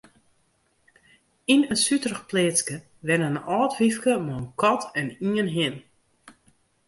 Yn in suterich pleatske wenne in âld wyfke mei in kat en ien hin.